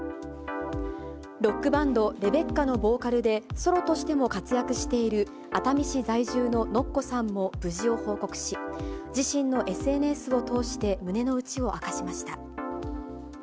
ロックバンド、ＲＥＢＥＣＣＡのボーカルで、ソロとしても活躍している熱海市在住のＮＯＫＫＯさんも無事を報告し、自身のＳＮＳを通して胸の内を明かしました。